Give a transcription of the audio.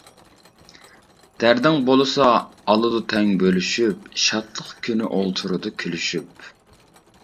دەردىڭ بولسا ئالىدۇ تەڭ بۆلۈشۈپ، شادلىق كۈنى ئولتۇرىدۇ كۈلۈشۈپ.